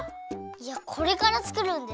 いやこれからつくるんです。